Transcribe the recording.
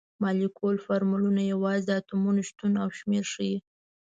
مالیکولي فورمول یوازې د اتومونو شتون او شمیر ښيي.